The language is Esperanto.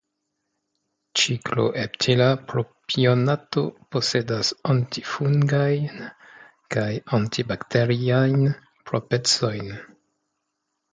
Cikloheptila propionato posedas antifungajn kaj antibakteriajn proprecojn.